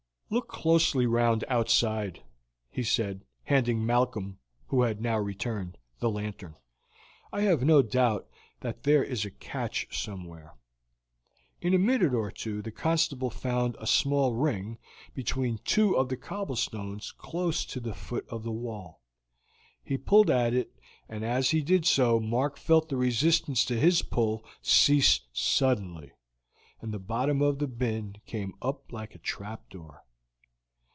"Look closely round outside," he said, handing Malcolm, who had now returned, the lantern. "I have no doubt that there is a catch somewhere." In a minute or two the constable found a small ring between two of the cobblestones close to the foot of the wall. He pulled at it, and as he did so Mark felt the resistance to his pull cease suddenly, and the bottom of the bin came up like a trapdoor.